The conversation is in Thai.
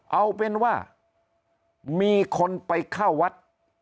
เอาเป็นว่ามีคนไปเข้าวัด